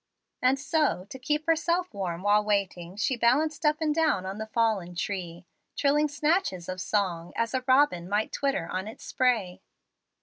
And so, to keep herself warm while waiting, she balanced up and down on the fallen tree, trilling snatches of song as a robin might twitter on its spray.